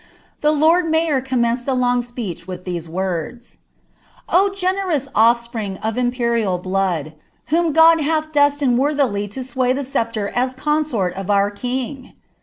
The lord mayor commenced a long speech with these Words : "O genorons oSpring of imperial blood, whom God hath destined worthily to sway the sceptre as consort of our king